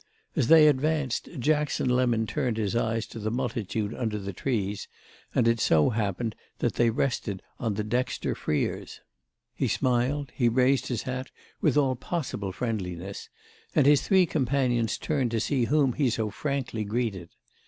As they advanced Jackson Lemon turned his eyes to the multitude under the trees, and it so happened that they rested on the Dexter Freers. He smiled, he raised his hat with all possible friendliness, and his three companions turned to see whom he so frankly greeted.